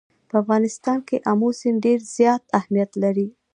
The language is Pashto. په افغانستان کې آمو سیند ډېر زیات اهمیت لري.